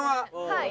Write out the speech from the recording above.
はい。